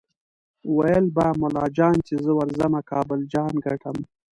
ویل به ملا جان چې زه ورځمه کابل جان ګټم